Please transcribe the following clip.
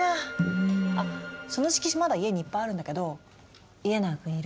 あその色紙まだ家にいっぱいあるんだけど家長くん要る？